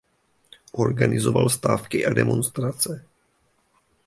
Organizoval stávky a demonstrace.